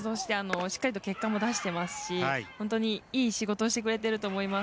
しっかりと結果も出してますし本当にいい仕事をしてくれていると思います。